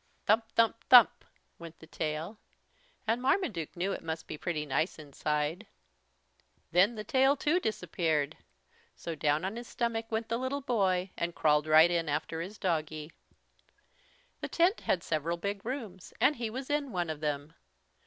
Thump thump thump went the tail. And Marmaduke knew it must be pretty nice inside. Then the tail, too, disappeared. So down on his stomach went the little boy and crawled right in after his doggie. The tent had several big rooms and he was in one of them.